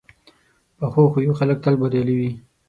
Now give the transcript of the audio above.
پخو خویو خلک تل بریالي وي